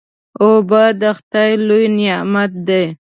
اوبه د خدای لوی نعمت دی.